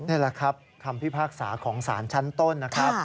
นี่แหละครับคำพิพากษาของสารชั้นต้นนะครับ